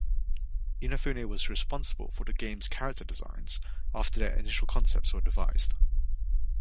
Inafune was responsible for the game's character designs after their initial concepts were devised.